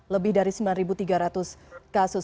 lebih dari sembilan tiga ratus kasus